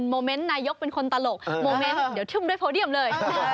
โมเมนต์นายกเป็นคนตลกโมเมนต์เดี๋ยวทึ่มด้วยโพเดียมเลย